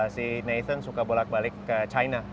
si neson suka bolak balik ke china